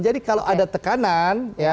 jadi kalau ada tekanan